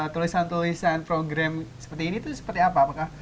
tulisan tulisan program seperti ini itu seperti apa apakah